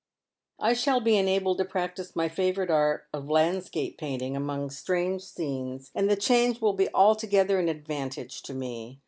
I shall be enabled to practise my favourite art of landscape painting among strange scenes, and the change will be altogether an advantage to me.